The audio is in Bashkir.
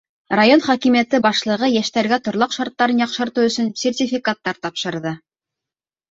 Район хакимиәте башлығы йәштәргә торлаҡ шарттарын яҡшыртыу өсөн сертификаттар тапшырҙы.